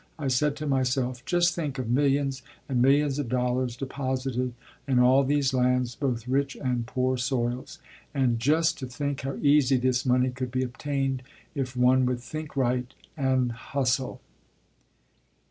I said to myself: "Just think of millions and millions of dollars deposited in all these lands, both rich and poor soils. And just to think how easy this money could be obtained if one would think right and hustle."